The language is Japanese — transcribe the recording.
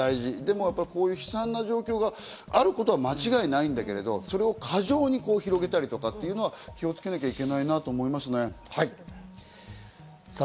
だけど悲惨な状況があることは間違いないんだけど、それを過剰に広げたりとかっていうのは気をつけなきゃいけないなと思いますね。